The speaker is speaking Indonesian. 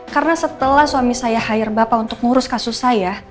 karena setelah suami saya hire bapak untuk ngurus kasus saya